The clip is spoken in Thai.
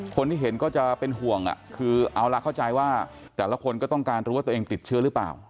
คนที่เห็นก็จะเป็นห่วงคือเอาล่ะเข้าใจว่าแต่ละคนก็ต้องการรู้ว่าตัวเองติดเชื้อหรือเปล่า